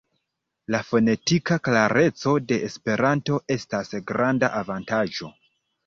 La fonetika klareco de Esperanto estas granda avantaĝo.